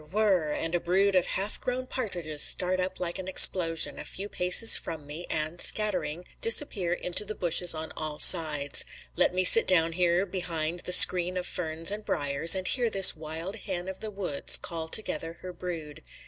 whir! and a brood of half grown partridges start up like an explosion, a few paces from me, and, scattering, disappear into the bushes on all sides. Let me sit down here behind the screen of ferns and briers, and hear this wild hen of the woods call together her brood.